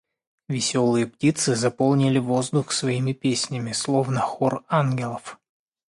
Веселые птицы заполнили воздух своими песнями, словно хор ангелов.